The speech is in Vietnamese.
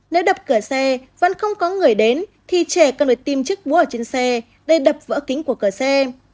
nếu đập cửa xe văn không có người đến thì trẻ cần phải tìm chiếc búa ở trên xe để đập vỡ kính của cửa xe